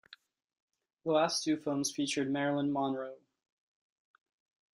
The last two films featured Marilyn Monroe.